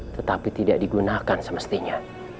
tetapi tidak digunakan semestinya